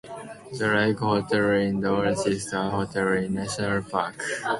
The Lake Hotel is the oldest operating hotel in Yellowstone National Park.